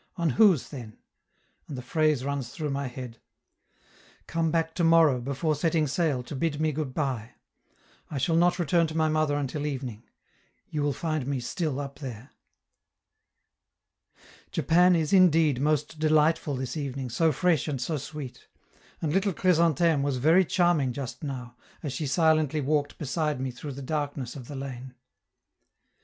On whose, then?" and the phrase runs through my head: "Come back to morrow before setting sail, to bid me goodby; I shall not return to my mother until evening; you will find me still up there." Japan is indeed most delightful this evening, so fresh and so sweet; and little Chrysantheme was very charming just now, as she silently walked beside me through the darkness of the lane.